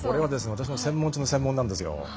私の専門中の専門なんですよ。